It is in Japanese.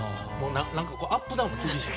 なんかアップダウンが厳しい。